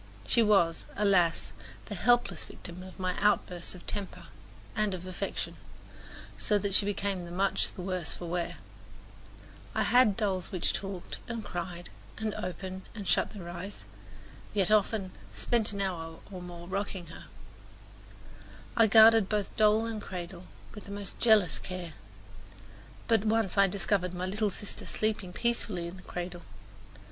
She was, alas, the helpless victim of my outbursts of temper and of affection, so that she became much the worse for wear. I had dolls which talked, and cried, and opened and shut their eyes; yet I never loved one of them as I loved poor Nancy. She had a cradle, and I often spent an hour or more rocking her. I guarded both doll and cradle with the most jealous care; but once I discovered my little sister sleeping peacefully in the cradle.